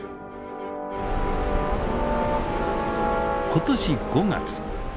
今年５月。